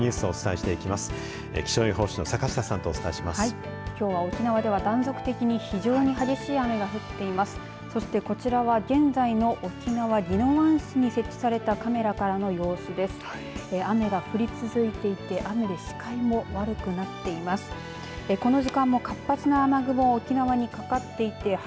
そして、こちらは現在の沖縄宜野湾市に設置されたカメラからの様子です。